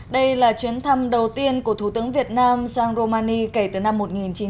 đây là chuyến thăm đầu tiên của thủ tướng việt nam sang romani kể từ năm một nghìn chín trăm chín mươi